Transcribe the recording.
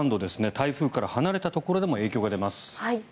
台風から離れたところでも影響が出ます。